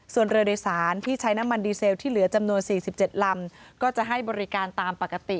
ส่วนเรือโดยสารที่ใช้น้ำมันดีเซลที่เหลือจำนวน๔๗ลำก็จะให้บริการตามปกติ